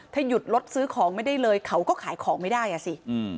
ถ้าหยุดรถซื้อของไม่ได้เลยเขาก็ขายของไม่ได้อ่ะสิ